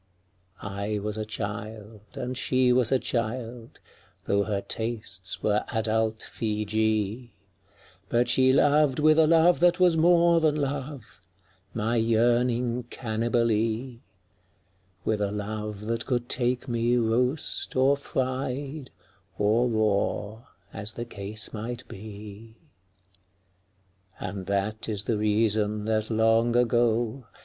I was a child, and she was a child — Tho' her tastes were adult Feejee — But she loved with a love that was more than love, My yearning Cannibalee; With a love that could take me roast or fried Or raw, as the case might be. And that is the reason that long ago.